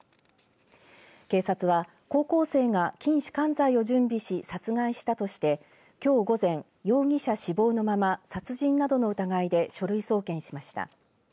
警察は高校生が筋しかん剤を準備し殺害したとしてきょう午前、容疑者死亡のまま殺人などの疑いで書類送検しました。